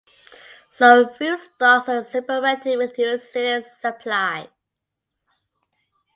So food stocks were supplemented with New Zealand supplies.